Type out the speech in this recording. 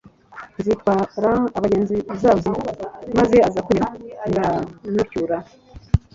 zitwara abagenzi zabuze maze aza kwemera ndanucyura